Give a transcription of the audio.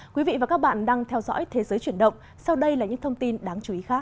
quý vị và các bạn đang theo dõi thế giới chuyển động sau đây là những thông tin đáng chú ý khác